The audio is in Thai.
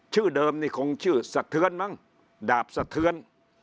ชื่อเดิมนี่คงชื่อสะเทือนมั้งดาบสะเทือน